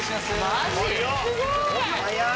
マジ？